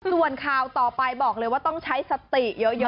ส่วนข่าวต่อไปบอกเลยว่าต้องใช้สติเยอะ